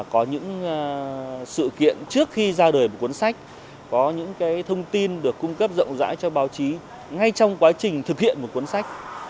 có những sự kiện trước khi ra đời một cuốn sách có những thông tin được cung cấp rộng rãi cho báo chí ngay trong quá trình thực hiện một cuốn sách